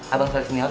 abang santi senior